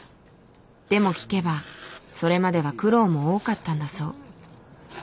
でも聞けばそれまでは苦労も多かったんだそう。